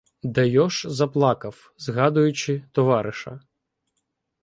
Дайош заплакав, згадуючи товариша.